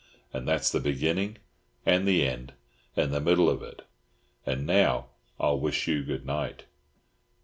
And that's the beginning and the end and the middle of it. And now I'll wish you good night."